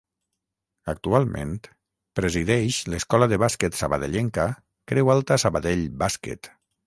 Actualment presideix l'escola de bàsquet sabadellenca Creu Alta Sabadell Bàsquet.